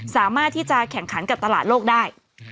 สามารถที่จะแข่งขันกับตลาดโลกได้